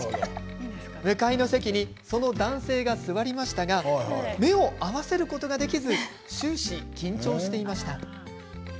向かいの席にその男性が座りましたが目を合わせることができず終始、緊張していました。